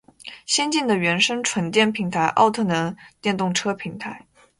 先进的原生纯电平台奥特能电动车平台